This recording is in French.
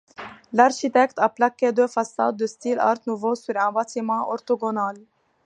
L'architecte a plaqué deux façades de style Art nouveau sur un bâtiment orthogonal.